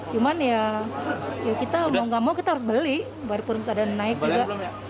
cuman ya kita mau gak mau kita harus beli walaupun keadaan naik juga